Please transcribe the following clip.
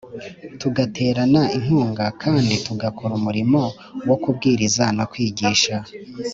tugaterana inkunga kandi tugakora umurimo wo kubwiriza no kwigisha